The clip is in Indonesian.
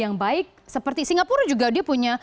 yang baik seperti singapura juga dia punya